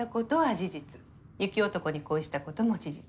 雪男に恋したことも事実。